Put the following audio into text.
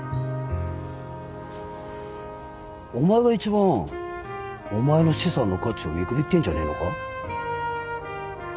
お前が一番お前の資産の価値を見くびってんじゃねえのか？